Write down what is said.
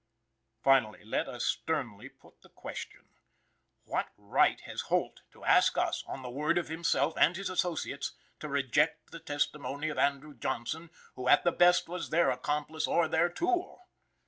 Finally, let us sternly put the question: What right has Holt to ask us, on the word of himself and his associates, to reject the testimony of Andrew Johnson, who at the best was their accomplice or their tool?